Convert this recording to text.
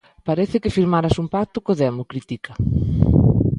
Parece que firmaras un pacto co demo, critica.